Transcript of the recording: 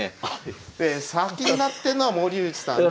先になってんのは森内さんで。